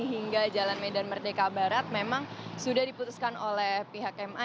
hingga jalan medan merdeka barat memang sudah diputuskan oleh pihak ma